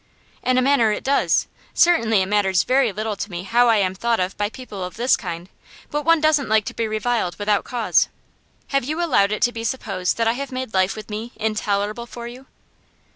'In a manner it does. Certainly it matters very little to me how I am thought of by people of this kind, but one doesn't like to be reviled without cause. Have you allowed it to be supposed that I have made life with me intolerable for you?